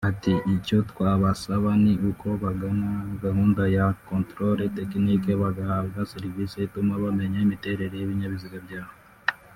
Ati “Icyo twabasaba ni uko bagana gahunda ya Contrôle technique bagahabwa serivise ituma bamenya imiterere y’ibinyabiziga byabo